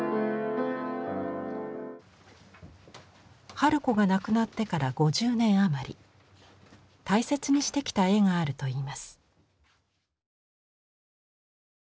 春子が亡くなってから５０年余り大切にしてきた絵があるといいます。